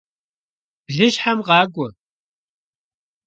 Блыщхьэм къакӏуэ!